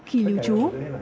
khi lưu trú